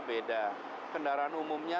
beda kendaraan umumnya